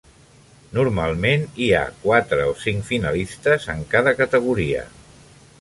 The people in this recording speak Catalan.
Normalment, hi ha quatre o cinc finalistes en cada categoria.